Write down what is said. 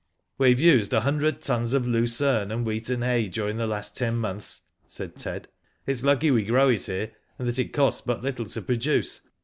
" We have used a hundred tons of lucerne and wheaten hay during the last ten months," said Ted. " It*s lucky we grow it here, and that it costs but little to produce.